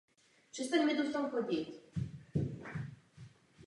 Soběslav skutečně dorazil na tábořiště nepřátel u Sázavy a v jejich stopě je následoval.